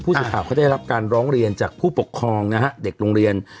สื่อข่าวเขาได้รับการร้องเรียนจากผู้ปกครองนะฮะเด็กโรงเรียน